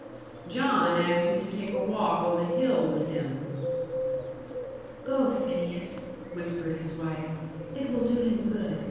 John asked me to take a walk on the hill with him. "Go, Phineas," whispered his wife "it will do him good.